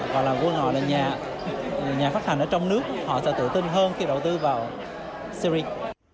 hoặc là quân họ là nhà phát thanh ở trong nước họ sẽ tự tin hơn khi đầu tư vào series